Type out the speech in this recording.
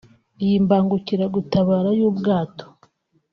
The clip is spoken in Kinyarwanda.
Iyi mbangukiragutabara y’ubwato